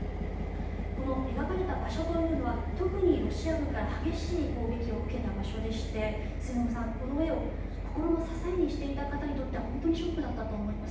この描かれた場所というのは特にロシア軍から激しい攻撃を受けた場所でして末延さん、この絵を心の支えにしていた方にとっては本当にショックだったと思います。